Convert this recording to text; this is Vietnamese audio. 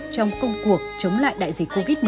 trong công cuộc chống lại đại dịch covid một mươi chín